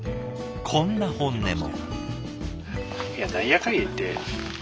こんな本音も。